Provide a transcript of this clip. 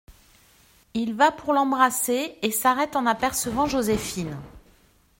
Il va pour l’embrasser et s’arrête en apercevant Joséphine.